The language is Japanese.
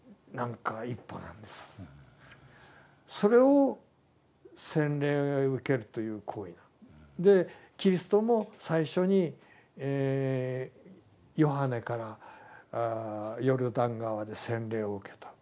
それを洗礼を受けるという行為。でキリストも最初にヨハネからヨルダン川で洗礼を受けた。